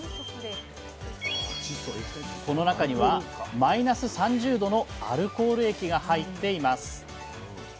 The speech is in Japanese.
この中にはマイナス３０℃のアルコール液が入っています。